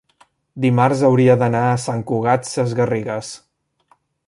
dimarts hauria d'anar a Sant Cugat Sesgarrigues.